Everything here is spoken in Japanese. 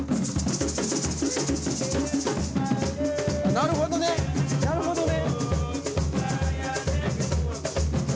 なるほどねなるほどね。